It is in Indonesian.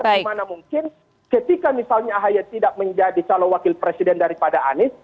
bagaimana mungkin ketika misalnya ahy tidak menjadi calon wakil presiden daripada anies